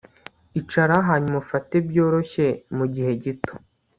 Icara hanyuma ufate byoroshye mugihe gito